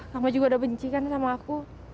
kamu juga udah benci kan sama aku